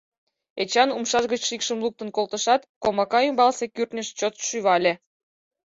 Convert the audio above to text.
Эчан умшаж гыч шикшым луктын колтышат, комака ӱмбалсе кӱртньыш чошт шӱвале.